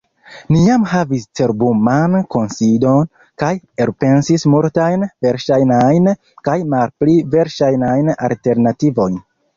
Ni jam havis cerbuman kunsidon kaj elpensis multajn verŝajnajn kaj malpli verŝajnajn alternativojn.